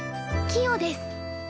キヨです。